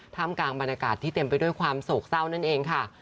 กลางบรรยากาศที่เต็มไปด้วยความโศกเศร้านั่นเองค่ะ